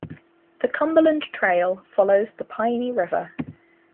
The Cumberland Trail follows the Piney River.